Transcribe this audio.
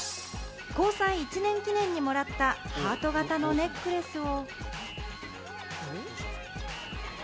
交際１年記念にもらった、ハート型のネックレスを。